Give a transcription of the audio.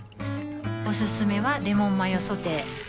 おすすめはレモンマヨソテー